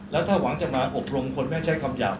แล้วถ้าหวังจะมาอบรมคนไม่ใช้คำหยาบ